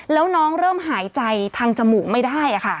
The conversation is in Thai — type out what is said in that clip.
แล้วน้องเริ่มหายใจทางจมูกไม่ได้